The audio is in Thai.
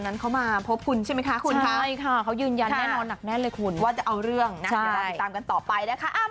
แต่พีชพัชรายืนยันแน่นอนว่าเอาเรื่องจะเงียบไป